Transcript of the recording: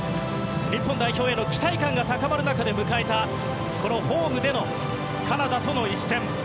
日本代表への期待感が高まる中で迎えたこのホームでのカナダとの一戦。